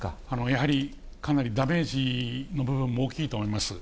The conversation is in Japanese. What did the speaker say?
やはりかなりダメージの部分も大きいと思います。